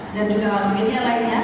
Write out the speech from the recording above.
dan juga media lainnya